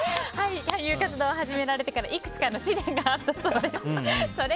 俳優活動を始められてからいくつかの試練があったそうです。